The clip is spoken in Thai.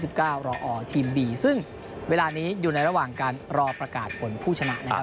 รออทีมบีซึ่งเวลานี้อยู่ในระหว่างการรอประกาศผลผู้ชนะนะครับ